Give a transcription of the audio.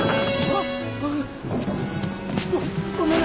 あっ。